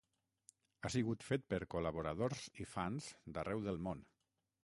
Ha sigut fet per col·laboradors i fans d'arreu del món.